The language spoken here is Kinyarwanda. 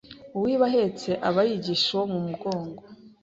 Uwiba ahetse aba yigisha uwo mu mugongo